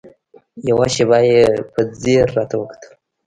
يوه شېبه يې په ځير راته وکتل.